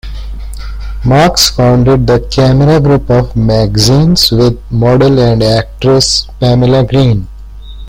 Marks founded the Kamera group of magazines with model and actress Pamela Green.